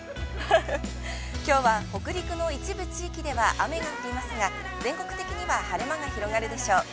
きょうは北陸の一部地域では雨が降りますが、全国的には晴れ間が広がるでしょう。